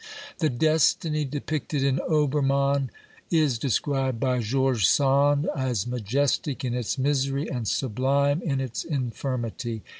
The destiny depicted in Obermann is described by George Sand as majestic in its misery and sublime in its infirmity.